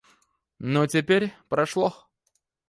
Но теперь прошло.